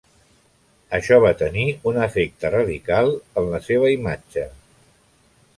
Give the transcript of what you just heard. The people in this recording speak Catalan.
Això va tenir un efecte radical en la seva imatge.